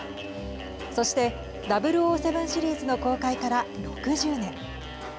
そして００７シリーズの公開から６０年。